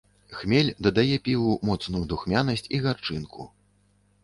Хмель дадае піву моцную духмянасць і гарчынку.